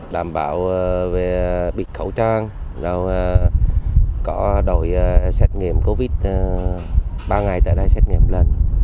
đảm bảo bịt khẩu trang rồi có đổi xét nghiệm covid ba ngày tại đây xét nghiệm lên